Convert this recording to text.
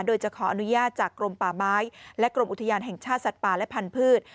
โดยจะขออนุญาตจากกรมป่าไม้และกรมอุทยานแห่งชาติสัตว์ป่าและพันธุ์